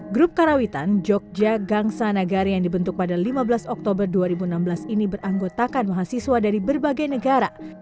grup karawitan jogja gangsa nagari yang dibentuk pada lima belas oktober dua ribu enam belas ini beranggotakan mahasiswa dari berbagai negara